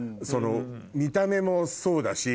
見た目もそうだし。